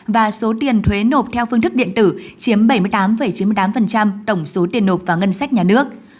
và số tiền thuế nộp theo phương thức điện tử chiếm bảy mươi tám chín mươi tám tổng số tiền nộp vào ngân sách nhà nước